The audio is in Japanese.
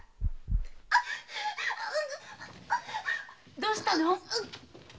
どうしたの？